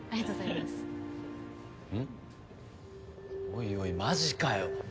おいおいマジかよ！？